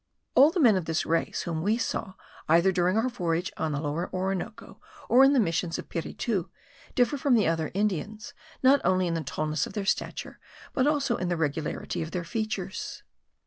All the men of this race whom we saw either during our voyage on the Lower Orinoco, or in the missions of Piritu, differ from the other Indians not only in the tallness of their stature, but also in the regularity of their features.